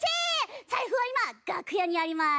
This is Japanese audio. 財布は今楽屋にありまーす。